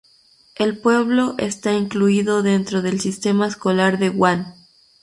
El pueblo está incluido dentro del Sistema Escolar de Guam.